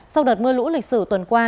sau đợt mưa lũ lịch sử tuần qua